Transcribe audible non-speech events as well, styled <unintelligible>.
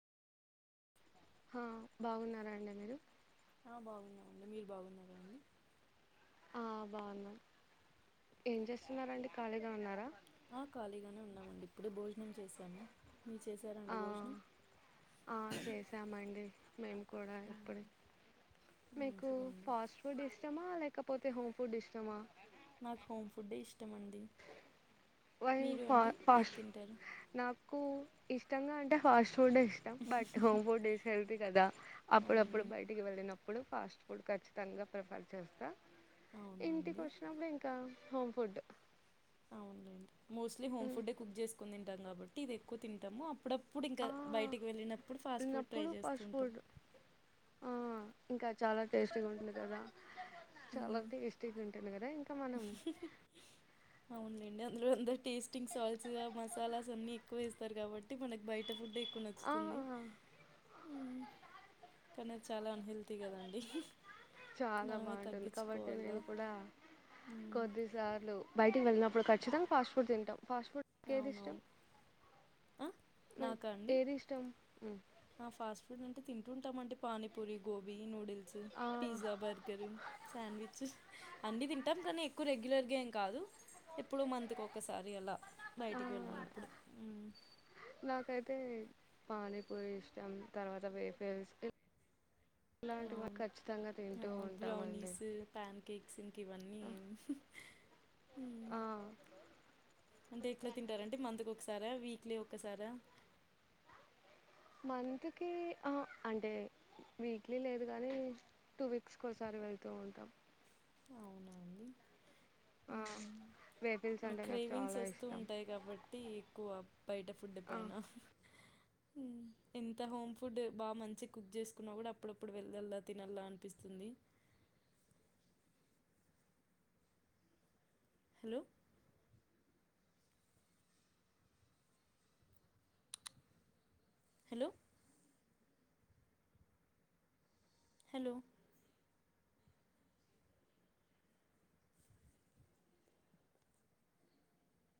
ఆ బాగున్నారా అండి మీరు బాగున్నా అండి మీరు బాగున్నారండి. ఆ బాగుంన్న ఏం చేస్తున్నారాండి ఖాళీగా ఉన్నారా, ఆ ఖాళీగానే ఉన్నామండి ఇప్పుడే భోజనం చేసాము. మీరు చేసారా అండి ఆ భోజనం ఆ చేసామండి మేము కూడా ఎప్పుడ అవును. మీకు మంచిదండి ఫాస్ట్ ఫుడ్ ఇష్టమా లేక పోతే హోమ్ ఫుడ్ ఇష్టమా, నాకు హోమ్ ఫుడ్ డె ఇష్టం అండి వై మీరు ఫ అండి ఏది ఫాస్ట్ తింటారు నాకు ఇష్టంగా అంటే ఫాస్ట్ చోడ ఇష్టం బట్ ఫోర్ డేస్ వెళ్తు కదా అవును అప్పుడప్పుడు బయటికి వెళ్ళినప్పు, ఇప్పుడు ఫాస్ట్ ఫుడ్ ఖచ్చితంగాంగా ప్రిఫర్ చేస్తా అవునా ఇంటికి అండి వచ్చినప్పుడు ఇంకా హోమ్ ఫుడ్ అవునులేండి మోస్ట్లీ హోమ్ ఉమ్. ఫుడ్డే కుక్ చేసుకుని తంటాం కాబట్టి ఇది ఎక్కువ తింటాము. అప్పుడప్పుడు ఇంకా ఆ బయటికి వెళ్ళినప్పుడు ఫాస్ట్ ఫుడ్ ట్రై ఉన్నప్పుడు చేస్తూ ఫాస్ట్ ఉంటాం. ఫుడ్ ఆ ఇంకా చాలా టేస్టీగా ఉంటుంది, కదా చాలా మ్మ్ టేస్టీగా ఉంటుంది కదాంకా మనం అండి అందు అందరు టేస్టింగ్ సాల్ట్స్ గా మసాలాస్ అన్ని ఎక్కువ వేస్తారు కాబట్టి మన బయట ఫుడ్ తకు ఆ నచ్చుతుంది కానీ చాలా అన్హెల్తీ కదండి. చాలా మనమే బాగుంటుంది కాబట్టి తగ్గించుకోవాల నేను కూడా మ్మ్. కొద్ది సార్లు బయటికి వెళ్ళినప్పుడు ఖచ్చితంగా ఫాస్ట్ ఫుడ్ తింటాం. ఫాస్ట్ ఫుడ్ ఏదిష్టం అవునవును ఆ? నాకా అండి ఏది ఇష్టం ఆ ఫాస్ట్ ఫుడ్ అంటే తింటుంటాం అండి పానీపూరి, గోబీ నూడిల్స్ ఆ పిజ్జా, బర్గర్, స్యాండ్విచ్ అన్నిీ తింటాం కానీ ఎక్కువ రెగ్యులర్గా ఏం కాదు ఎప్పుడ మంత్ కి ఒకసారి అలా ఆ బయటికి వెళ్ళినప్పుడు, నాకైతే పానీపూరి ఇష్టం తర్వాత వేఫల్స్ ఇలాంటివ అవును ఖచ్చితంగా ఆ, తింటూ ఉంటామండి. ఇవ్వని ఆ ఏమో ఆ! అంటే ఎట్లా తింటారంటే మంత్ కి ఒకసారా, వీక్లీ ఒకసారా మంత్ కి అంటే వీక్లీ లేదు కాని టూ వీక్స్కిసారి, వెళ్తూ ఉంటాం అవునా అండి ఆ వెహికల్స్ మన అంటే నాకు క్రేవింగ్స్ చాలా వస్తూ ఇష్టం ఉంటాయి. కాబట్టి ఎక్కువ బయట ఫుడ్ ఆ, పైన ఎంత హోమ్ ఫుడ్ బాగా మంచి కుక్ చేసుకున్నా, కూడా అప్పుడప్పుడు వెళ్దల్లా తినలా అనిపిస్తుంది. <unintelligible> Hello hello hello